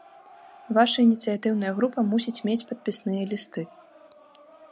Ваша ініцыятыўная група мусіць мець падпісныя лісты.